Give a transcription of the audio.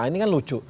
ini kan lucu